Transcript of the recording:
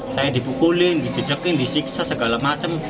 saya dipukulin dijejekin disiksa segala macam